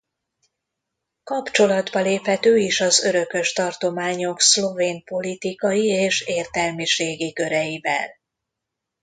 Kapcsolatba lépett ő is az örökös tartományok szlovén politikai és értelmiségi köreivel.